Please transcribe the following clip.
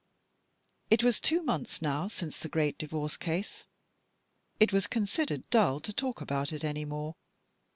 It was two months now since the great divorce case ; it was considered dull to talk about it any more.